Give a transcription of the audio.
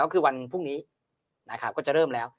ก็คือวันพรุ่งนี้นะครับก็จะเริ่มแล้ว